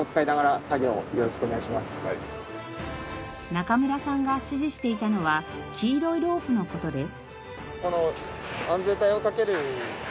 中村さんが指示していたのは黄色いロープの事です。